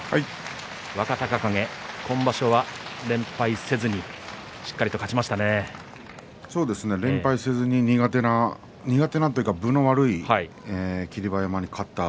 若隆景、今場所は連敗せずに連敗せずに苦手なというか分の悪い霧馬山に勝った。